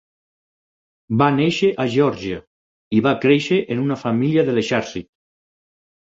Va néixer a Geòrgia i va créixer en una família de l'exèrcit.